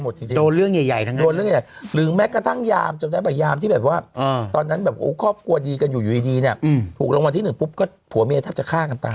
โดนเรื่องใหญ่หรือแม่กระทั่งยามคนแนลต่างโยศาสตราบอย่างที่แบบว่าตอนนั้นแบบครอบครัวดีกันอยู่ดีเนี่ยถูกรางวัลที่๑ปุ๊บก็ผัวเมียจะฆ่ากันตาม